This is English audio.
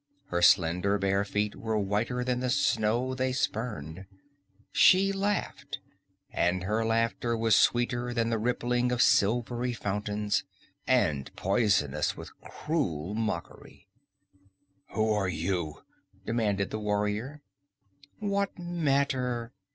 Her slender bare feet were whiter than the snow they spurned. She laughed, and her laughter was sweeter than the rippling of silvery fountains, and poisonous with cruel mockery. "Who are you?" demanded the warrior. "What matter?"